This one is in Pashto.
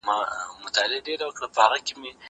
که وخت وي، سفر کوم!